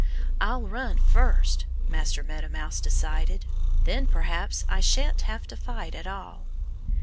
"I'll run first," Master Meadow Mouse decided. "Then perhaps I shan't have to fight at all."